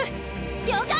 了解！